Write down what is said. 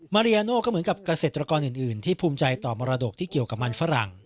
มาริยาโน่ก็เหมือนกับเกษตรกรอื่นที่ภูมิใจต่อมรดกที่เกี่ยวกับมันฝรั่ง